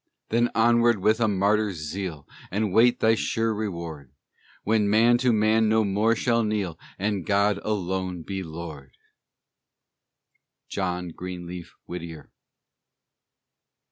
Then onward with a martyr's zeal; And wait thy sure reward When man to man no more shall kneel, And God alone be Lord! JOHN GREENLEAF WHITTIER.